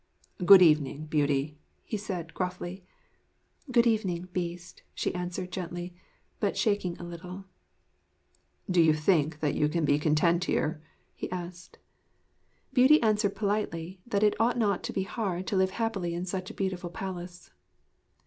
'Good evening, Beauty,' he said gruffly. 'Good evening, Beast,' she answered gently, but shaking a little. 'Do you think you can be content here?' he asked. Beauty answered politely that it ought not to be hard to live happily in such a beautiful palace.